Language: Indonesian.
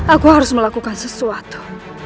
aku harus melakukan sesuatu